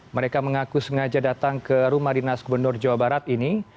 mereka mengaku sengaja datang ke rumah dinas gubernur jawa barat ini